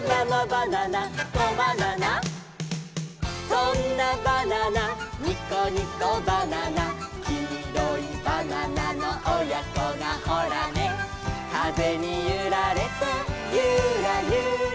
「そんなバナナニコニコバナナ」「きいろいバナナのおやこがホラネ」「かぜにゆられてユラユラ」